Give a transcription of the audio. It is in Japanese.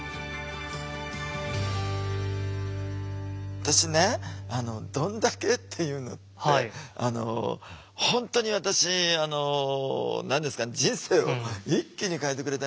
私ね「どんだけ」っていうのって本当に私あの何ですか人生を一気に変えてくれたような気がするんですね。